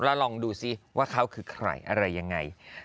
แล้วลองดูซิว่าเขาคือใครอะไรยังไง